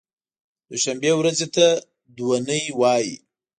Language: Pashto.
دوشنبې ورځې ته دو نۍ وایی